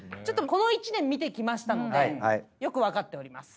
この１年見てきましたのでよく分かっております。